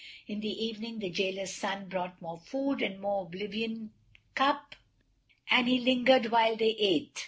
In the evening the Jailer's son brought more food and more oblivion cup, and he lingered while they ate.